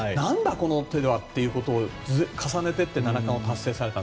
この手はっていうのを重ねていって七冠を達成された。